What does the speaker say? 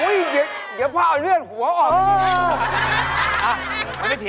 อุ๊ยเดี๋ยวพ่อเอาเลือดหัวออกไปดี